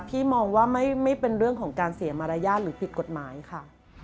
พี่มองว่าไม่เป็นเรื่องของการเสียมารยาทหรือผิดกฎหมายค่ะ